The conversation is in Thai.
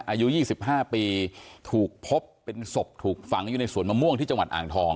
อายุ๒๕ปีถูกพบเป็นศพถูกฝังอยู่ในสวนมะม่วงที่จังหวัดอ่างทอง